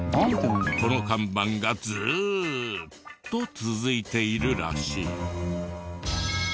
この看板がずーっと続いているらしい。